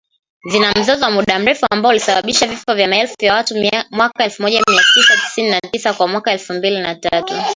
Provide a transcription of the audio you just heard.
Zina mzozo wa muda mrefu ambao ulisababishwa vifo vya maelfu ya watu mwaka elfu moja mia tisa tisini na tisa na mwaka elfu mbili na tatu